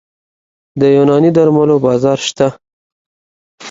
د یوناني درملو بازار شته؟